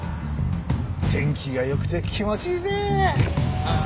天気が良くて気持ちいいぜ！